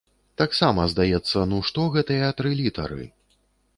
Таксама, здаецца, ну што гэтыя тры літары?